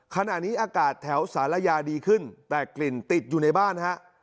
ขณะนี้อากาศแถวสารยาดีขึ้นแต่กลิ่นติดอยู่ในบ้านฮะ